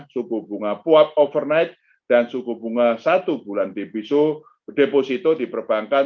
suku bunga puap overnight dan suku bunga satu bulan debiso diperbankan